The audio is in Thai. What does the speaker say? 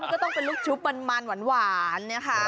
ก็ต้องเป็นลูกชุบมันหวานนะคะ